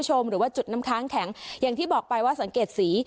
หรือว่าจุดน้ำค้างแข็งอย่างที่บอกไปว่าสังเกตสี